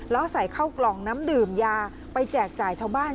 แล้วใส่เข้ากล่องน้ำดื่มยาไปแจกจ่ายชาวบ้าน